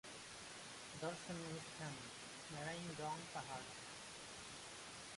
দর্শনীয় স্থান মেরাইনডং পাহাড়।